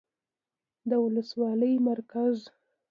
، د ولسوالۍ مرکز